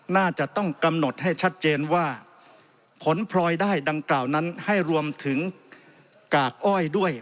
น่าจะต้องกำหนดให้ชัดเจนว่าผลพลอยได้ดังกล่าวนั้นให้รวมถึงกากอ้อยด้วย